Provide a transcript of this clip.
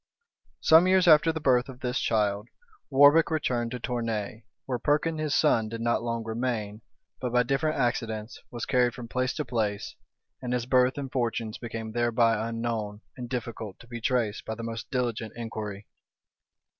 Some years after the birth of this child, Warbec returned to Tournay; where Perkin, his son, did not long remain, but by different accidents, was carried from place to place, and his birth and fortunes became thereby unknown, and difficult to be traced by the most diligent inquiry.